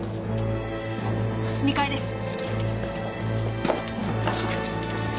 ２階です。